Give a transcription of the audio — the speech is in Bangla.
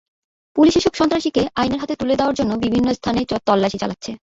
পুলিশ এসব সন্ত্রাসীকে আইনের হাতে তুলে দেওয়ার জন্যে বিভিন্ন স্থানে তল্লাশি চালাচ্ছে।